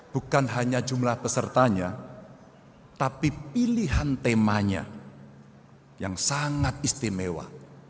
bukan hanya jumlah pesertanya tapi pilihan temanya yang sangat istimewa